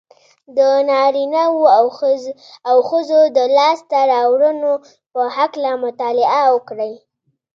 د نارينهوو او ښځو د لاسته راوړنو په هکله مطالعه وکړئ.